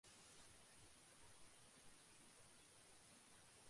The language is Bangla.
বইয়ের ওপরে মলাট দিয়ে ঢেকে নেওয়ার পাশপাশি তাই সঙ্গে রাখতে পারো ব্যাগ।